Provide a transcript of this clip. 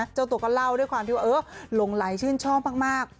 เจ้าตัวก็เล่าด้วยความที่ว่าเออหลงไหลชื่นชอบมาก